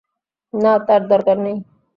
না, তার দরকার নেই।